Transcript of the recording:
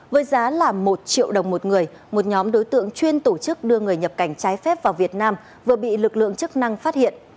với giá là một triệu đồng một người một nhóm đối tượng chuyên tổ chức đưa người nhập cảnh trái phép vào việt nam vừa bị lực lượng chức năng phát hiện